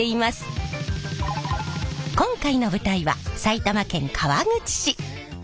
今回の舞台は埼玉県川口市。